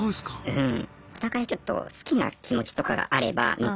うん。